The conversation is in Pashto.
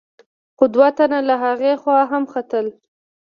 خو دوه تنه له هغې خوا هم ختل.